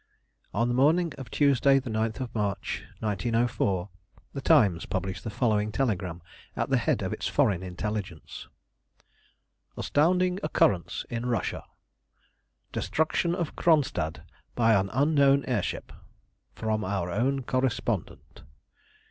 On the morning of Tuesday, the 9th of March 1904, the Times published the following telegram at the head of its Foreign Intelligence: ASTOUNDING OCCURRENCE IN RUSSIA. Destruction of Kronstadt by an unknown Air Ship. (_From our own Correspondent.